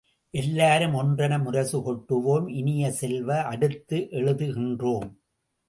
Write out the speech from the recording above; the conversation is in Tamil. எல்லாரும் ஒன்றென முரசு கொட்டுவோம் இனிய செல்வ, அடுத்து எழுதுகின்றோம்!